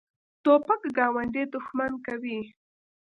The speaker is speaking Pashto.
توپک ګاونډي دښمن کوي.